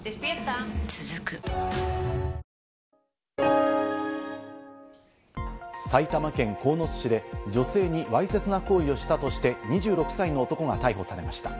続く埼玉県鴻巣市で女性にわいせつな行為をしたとして２６歳の男が逮捕されました。